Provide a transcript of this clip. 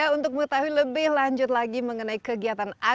untuk mengetahui lebih lanjut lagi mengenai kegiatan